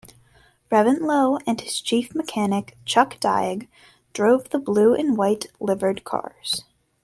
Reventlow and his chief mechanic Chuck Daigh drove the blue and white liveried cars.